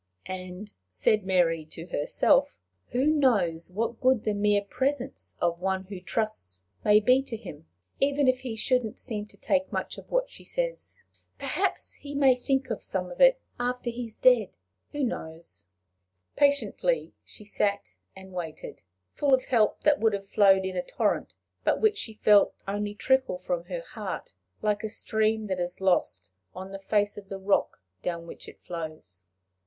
And said Mary to herself: "Who knows what good the mere presence of one who trusts may be to him, even if he shouldn't seem to take much of what she says! Perhaps he may think of some of it after he is dead who knows?" Patiently she sat and waited, full of help that would have flowed in a torrent, but which she felt only trickle from her heart like a stream that is lost on the face of the rock down which it flows.